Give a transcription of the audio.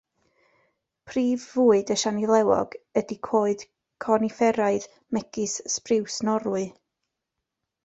Prif fwyd y siani flewog ydy coed conifferaidd megis Sbriws Norwy.